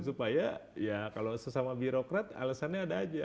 supaya ya kalau sesama birokrat alasannya ada aja